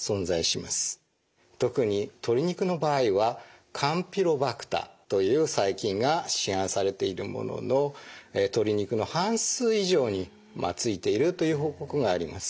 特に鶏肉の場合はカンピロバクターという細菌が市販されているものの鶏肉の半数以上についているという報告があります。